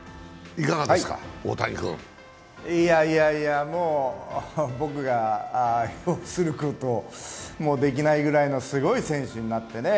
いやいや、もう僕が評することもできないぐらいのすごい選手になってね